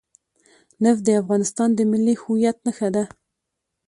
نفت د افغانستان د ملي هویت نښه ده.